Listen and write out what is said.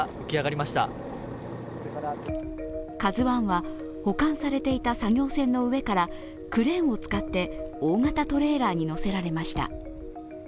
「ＫＡＺＵⅠ」は保管されていた作業船の上からクレーンを使って大型トレーラーに載せられました。